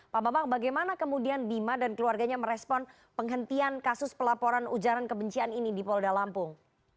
pak bambang bagaimana kemudian bima dan keluarganya merespon penghentian kasus pelaporan ujaran kebencian ini di polda lampung